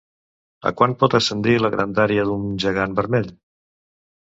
A quant pot ascendir la grandària d'un gegant vermell?